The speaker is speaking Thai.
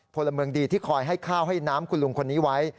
พลเมืองดีที่คอยให้ข้าวให้น้ำคุณลุงคนนี้ไว้